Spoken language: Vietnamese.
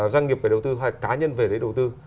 doanh nghiệp về đầu tư hay cá nhân về đầu tư